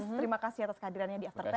terima kasih atas kehadirannya di after sepuluh